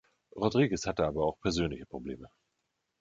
Rodriguez hatte aber auch persönliche Probleme.